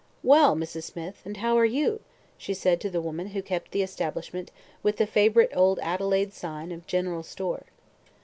"Well Mrs. Smith, and how are you?" said she to the woman who kept the establishment with the favourite old Adelaide sign of "General Store."